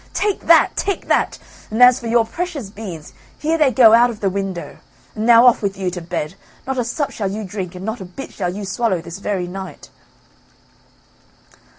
Take that! Take that! And as for your precious beans here they go out of the window. And now off with you to bed. Not a sup shall you drink, and not a bit shall you swallow this very night."